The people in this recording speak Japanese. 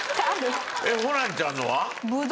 えっホランちゃんのは？